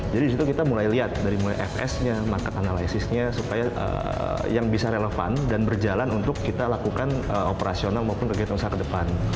jadi di situ kita mulai lihat dariuria makan analisisnya supaya yang bisa relevan dan berjalan untuk kita lakukan operasional maupun kegiatan usaha ke depan